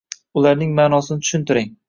ularning maʼnosini tushuntiring.